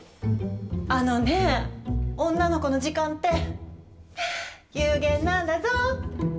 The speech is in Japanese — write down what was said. あのね女の子の時間って有限なんだぞ。